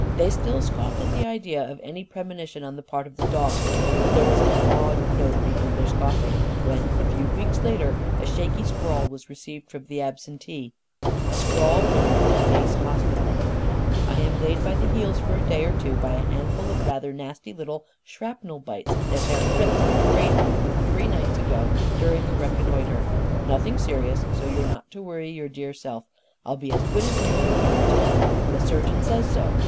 They still scoffed at the idea of any premonition on the part of the dog but there was an awed note behind their scoffing when, a few weeks later, a shaky scrawl was received from the absentee; a scrawl written in a base hospital: "I am laid by the heels for a day or two by a handful of rather nasty little shrapnel bites that Herr Fritz sprayed me with three nights ago during a reconnoitre. Nothing serious so you're not to worry your dear self. I'll be as good as new in a week or two. The surgeon says so.